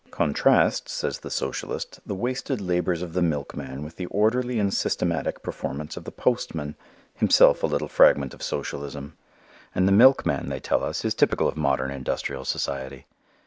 Contrast, says the socialist, the wasted labors of the milkman with the orderly and systematic performance of the postman, himself a little fragment of socialism. And the milkman, they tell us, is typical of modern industrial society.